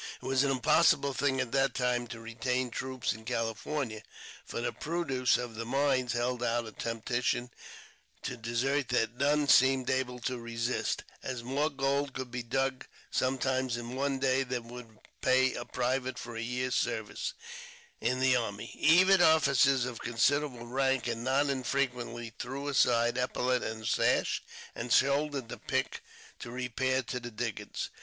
It was an impossible thing at that time to retain troops in Cahfornia, for the produce of the mines held out a temptation to desert that none seemed able to resist, as more gold could be dug some times in one day than would pay a private for a year's service in the army; even officers of considerable rank not unfrequently threw aside epaulette and sash, and shouldered the pick to repair to the diggings.